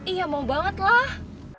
iya mau banget lah